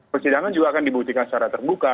persidangan juga akan dibuktikan secara terbuka